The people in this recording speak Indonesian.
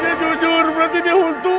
dia jujur berarti dia hantu